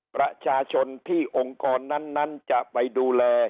ประชาชนที่องค์กรนั้นจะไปดูแล